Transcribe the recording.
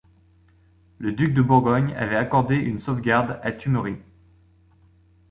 Le duc de Bourgogne avait accordé une sauvegarde à Thumeries.